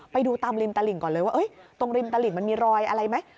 ไปดูตามริมตลิ่งก่อนเลยว่าตรงริมตลิ่งมันมีรอยอะไรไหม